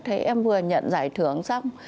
thế em vừa nhận giải thưởng xong